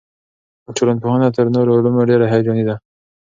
ټولنپوهنه تر نورو علومو ډېره هیجاني ده.